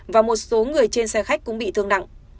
và một số người trên xe khách cũng bị thương nặng